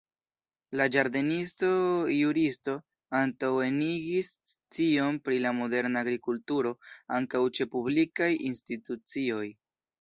La ĝardenisto-juristo antaŭenigis scion pri la moderna agrikulturo ankaŭ ĉe publikaj institucioj.